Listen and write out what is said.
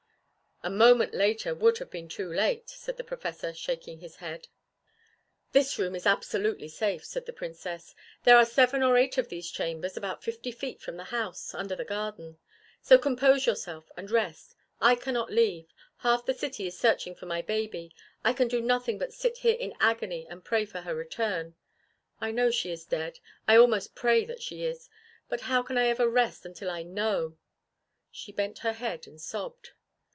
"A moment later would have been too late," said the Professor, shaking his head. "This room is absolutely safe," said the Princess. "There are seven or eight of these chambers, about fifty feet from the house, under the garden. So compose yourselves and rest. I cannot leave half the city is searching for my baby I can do nothing but sit here in agony and pray for her return. I know she is dead; I almost pray that she is, but how can I ever rest until I know?" She bent her head and sobbed.